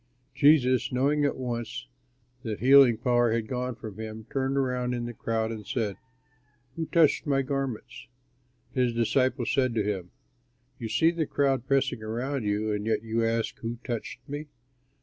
Jesus, knowing at once that healing power had gone from him, turned around in the crowd and said, "Who touched my garments?" His disciples said to him, "You see the crowd pressing around you, and yet do you ask, 'Who touched me?'"